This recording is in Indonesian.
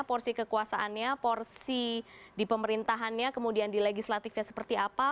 porsi kekuasaannya porsi di pemerintahannya kemudian di legislatifnya seperti apa